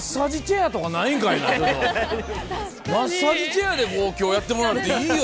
マッサージチェアで今日やってもらっていいよ